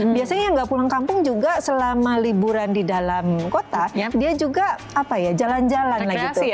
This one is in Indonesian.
biasanya yang nggak pulang kampung juga selama liburan di dalam kota dia juga jalan jalan